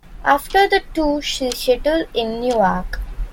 After the tour, she settled in New York.